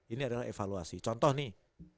ini adalah evaluasi contoh nih